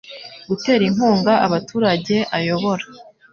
gutera inkunga abaturage ayobora